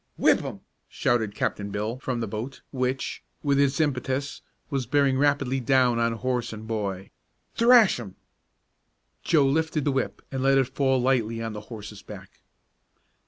"Whip 'im!" shouted Captain Bill from the boat, which, with its impetus, was bearing rapidly down on horse and boy. "Thrash 'im!" Joe lifted the whip and let it fall lightly on the horse's back.